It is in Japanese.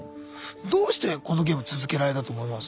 どうしてこのゲーム続けられたと思います？